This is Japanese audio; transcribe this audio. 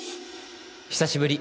久しぶり